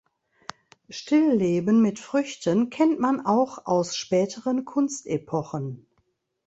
Stillleben mit Früchten kennt man auch aus späteren Kunstepochen.